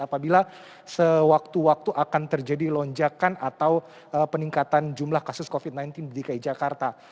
dan juga di situ juga akan terjadi lonjakan atau peningkatan jumlah kasus covid sembilan belas di kijakarta